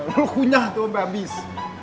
lu kunyah tuh sampe abis